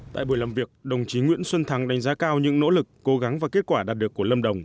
tại buổi làm việc đồng chí nguyễn xuân thắng đánh giá cao những nỗ lực cố gắng và kết quả đạt được của lâm đồng